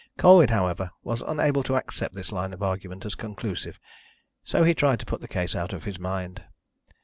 Colwyn, however, was unable to accept this line of argument as conclusive, so he tried to put the case out of his mind.